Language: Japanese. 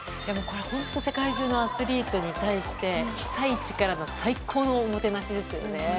世界中のアスリートに対して被災地からの最高のおもてなしですよね。